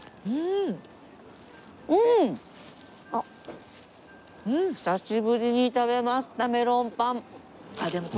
うーん！あっ久しぶりに食べましたメロンパン。